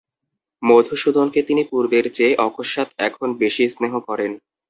মধুসূদনকে তিনি পূর্বের চেয়ে অকস্মাৎ এখন অনেক বেশি স্নেহ করেন।